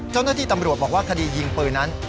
เจ้าหน้าที่ตำรวจบอกว่าคดียิงปืนนั้น